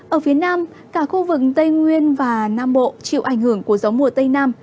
ở phía nam cả khu vực tây nguyên và nam bộ chịu ảnh hưởng của gió mùa tây nam